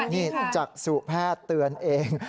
นี่จักษุแพทย์เตือนเอง